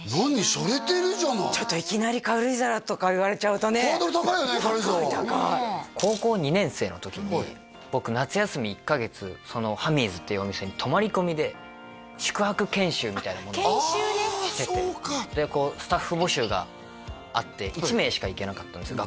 シャレてるじゃないちょっといきなり軽井沢とか言われちゃうとねハードル高いよね軽井沢高い高い高校２年生の時に僕夏休み１カ月そのＨａｍｙ’ｓっていうお店に泊まり込みで宿泊研修みたいなものをしててあっ研修ででこうスタッフ募集があって１名しか行けなかったんですよ